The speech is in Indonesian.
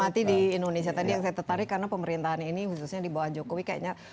mati di indonesia tadi yang saya tertarik karena pemerintahan ini khususnya di bawah jokowi kayaknya